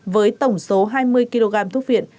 với tổng số hai mươi kg thuốc viện